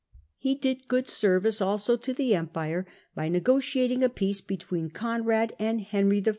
He did good service also to the Empire by negotiating a peace be tween Conrad and Henry I.